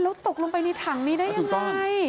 แล้วตกลงไปในถังนี้ได้ยังไง